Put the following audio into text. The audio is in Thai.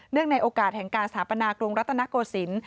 ในโอกาสแห่งการสถาปนากรุงรัตนโกศิลป